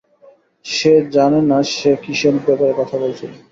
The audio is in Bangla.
সে জানে না সে কীসের ব্যাপারে কথা বলছিল।